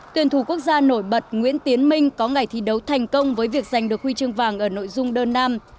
tuyển thủ quốc gia nổi bật nguyễn tiến minh có ngày thi đấu thành công với việc giành được huy chương vàng ở nội dung đơn nam